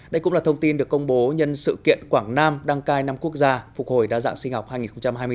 đây cũng là thông tin được công bố nhân sự kiện quảng nam đăng cai năm quốc gia phục hồi đa dạng sinh học hai nghìn hai mươi